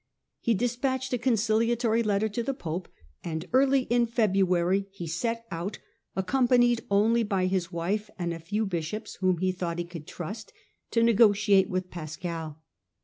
He despatched a conciliatory letter to the pope, and early in February he set out, accompanied only by his wife and a few bishops whom he thought he could trust, to negotiate with Pascal.